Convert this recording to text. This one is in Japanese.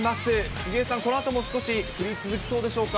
杉江さん、このあとも少し降り続きそうでしょうか。